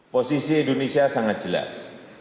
posisi indonesia sangat jelas